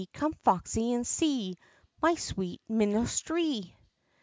Come, foxy, and see My sweet minstrelsy!"